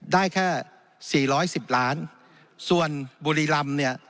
ได้แค่๔๑๐ล้านส่วนบุรีรัมม์